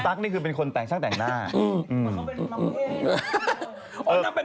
ประเด็นที่หน้าไปบวงนี้